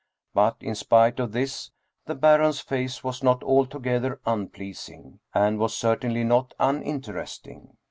But in spite of this, the Baron's face was not altogether unpleasing, and was certainly not uninteresting.